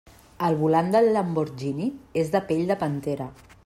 El volant del Lamborghini és de pell de pantera.